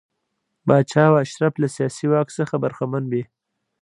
پاچا او اشراف له سیاسي واک څخه برخمن وي.